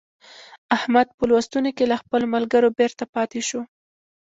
احمد په لوستونو کې له خپلو ملګرو بېرته پاته شو.